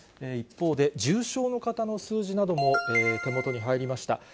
一方で、重症の方の数字なども手元に入りました。